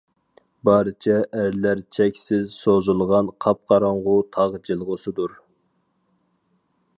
بارچە ئەرلەر چەكسىز سوزۇلغان قاپقاراڭغۇ تاغ جىلغىسىدۇر.